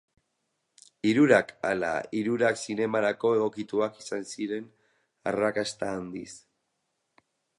Hirurak ala hirurak zinemarako egokituak izan ziren arrakasta handiz.